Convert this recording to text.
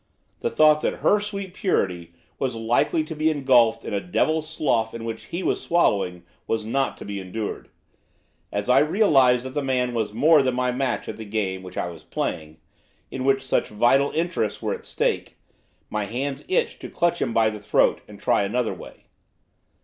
The thought that her sweet purity was likely to be engulfed in a devil's slough in which he was wallowing was not to be endured. As I realised that the man was more than my match at the game which I was playing in which such vital interests were at stake! my hands itched to clutch him by the throat, and try another way.